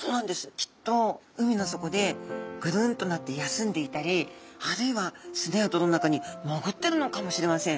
きっと海の底でぐるんとなって休んでいたりあるいは砂や泥の中にもぐってるのかもしれません。